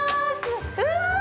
うわ！